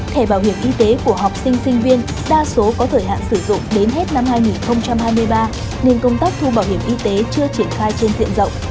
thẻ bảo hiểm y tế của học sinh sinh viên đa số có thời hạn sử dụng đến hết năm hai nghìn hai mươi ba nên công tác thu bảo hiểm y tế chưa triển khai trên diện rộng